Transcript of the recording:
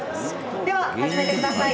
では、始めてください。